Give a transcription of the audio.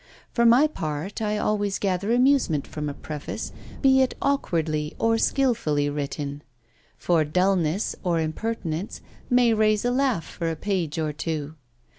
For my part I always gather amusement from a preface, be it awkwardly or skilfully written; for dulness, or impertinence, may raise a laugh for a page or two.